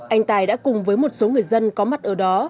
anh tài đã cùng với một số người dân có mặt ở đó